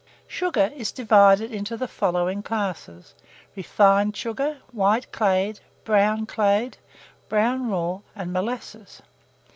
Sugar is divided into the following classes: Refined sugar, white clayed, brown clayed, brown raw, and molasses.